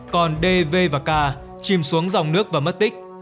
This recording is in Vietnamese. còn d v và k chìm xuống dòng nước và mất tích